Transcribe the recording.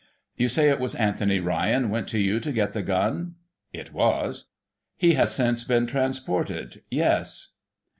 You say it was Anthony Ryan went to you to get the gun ?— It was. He has, since, been transported.^ — Yes.